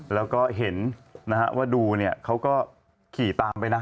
แล้วก็เห็นว่าดูเขาก็ขี่ตามไปนะ